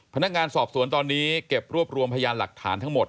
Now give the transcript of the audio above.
พนักงานสอบสวนตอนนี้เก็บรวบรวมพยานหลักฐานทั้งหมด